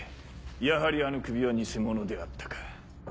やはりあの首は偽物であったか。